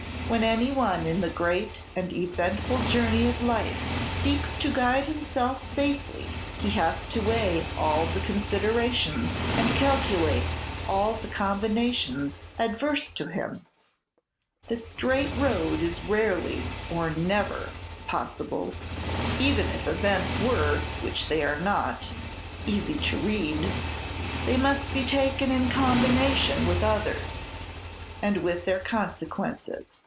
When any one in the great and eventful journey of life seeks to guide himself safely, he has to weigh all the considerations, and calculate all the combinations adverse to him. The straight road is rarely, or never, possible; even if events were, which they are not, easy to read, they must be taken in combination with others, and with their consequences.